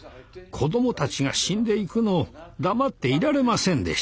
子供たちが死んでいくのを黙っていられませんでした。